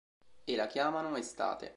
E la chiamano estate